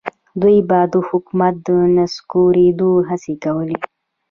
دوی به د حکومت د نسکورېدو هڅې کولې.